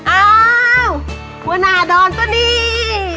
อ้าวแม่หัวหน้าดอนตัวนี้